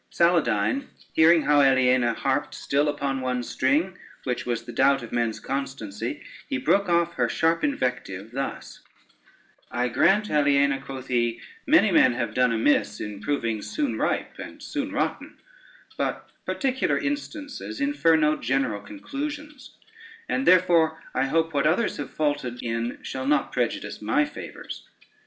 ] Saladyne, hearing how Aliena harped still upon one string, which was the doubt of men's constancy, he broke off her sharp invective thus: "I grant, Aliena," quoth he, "many men have done amiss in proving soon ripe and soon rotten; but particular instances infer no general conclusions, and therefore I hope what others have faulted in shall not prejudice my favors.